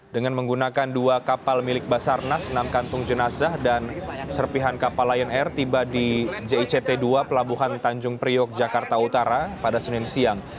dengan menggunakan dua kapal milik basarnas enam kantung jenazah dan serpihan kapal lion air tiba di jict dua pelabuhan tanjung priok jakarta utara pada senin siang